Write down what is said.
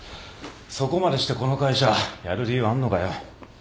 そこまでしてこの会社やる理由あんのかよ。